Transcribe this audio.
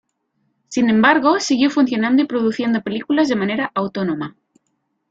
Sin embargo, siguió funcionando y produciendo películas de manera autónoma.